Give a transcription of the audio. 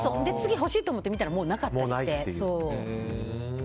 欲しいと思って見たらもうなかったりして。